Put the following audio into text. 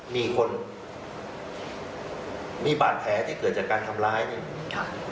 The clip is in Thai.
มีคนมีบาดแผลที่เกิดจากการทำร้ายเนี่ย